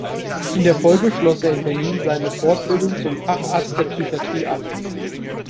In der Folge schloss er in Berlin seine Fortbildung zum Facharzt der Psychiatrie ab.